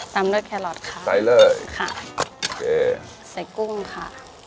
ซ้ำด้วยแครอทค่ะใส่เลยใส่กุ้มค่ะ